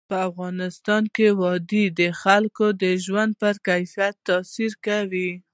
په افغانستان کې وادي د خلکو د ژوند په کیفیت تاثیر کوي.